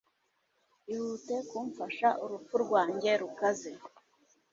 ihute kumfasha urupfu rwanjye rukaze